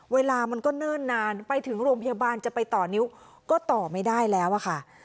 เวลามันก็เนิ่นนานไปถึงโรงพยาบาลจะไปต่อนิ้วก็ต่อไม่ได้แล้วอะค่ะ